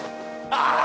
ああ！